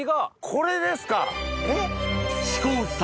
これですか！